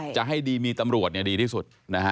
จะให้ดีมีตำรวจดีที่สุดนะฮะ